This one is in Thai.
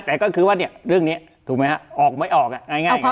แต่ก็คือว่าเนี่ยเรื่องนี้ถูกไหมฮะออกไม่ออกง่าย